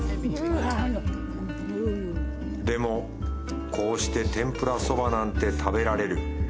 でもこうして天ぷらそばなんて食べられる。